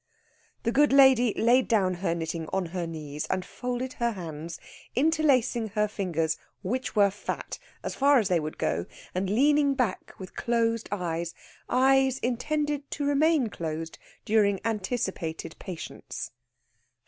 The good lady laid down her knitting on her knees, and folded her hands, interlacing her fingers, which were fat, as far as they would go, and leaning back with closed eyes eyes intended to remain closed during anticipated patience.